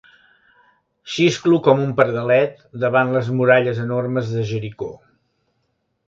Xisclo com un pardalet davant les muralles enormes de Jericó.